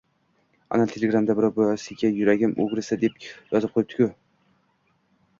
- Ana, telegramda birov biosiga "Yuragim ugrisi" deb yozib qo'yibdi-ku...